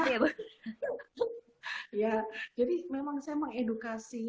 jadi memang saya mengedukasi